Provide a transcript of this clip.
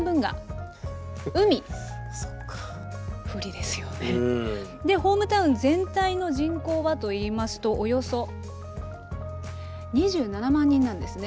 でホームタウン全体の人口はといいますとおよそ２７万人なんですね。